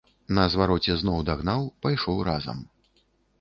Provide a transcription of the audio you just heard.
На звароце зноў дагнаў, пайшоў разам.